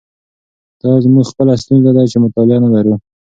دا زموږ خپله ستونزه ده چې مطالعه نه لرو.